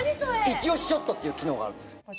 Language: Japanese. いち押しショットっていう機能があるんです。